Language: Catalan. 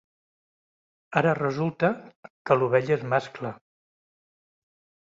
Ara resulta que l'ovella és mascle.